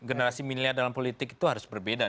generasi milenial dalam politik itu harus berbeda